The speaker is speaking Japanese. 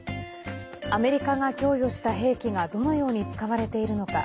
アメリカが供与した兵器がどのように使われているのか。